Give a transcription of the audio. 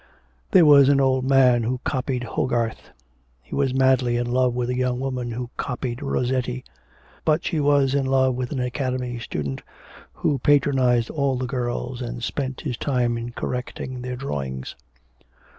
There was an old man who copied Hogarth, he was madly in love with a young woman who copied Rossetti. But she was in love with an academy student who patronised all the girls and spent his time in correcting their drawings.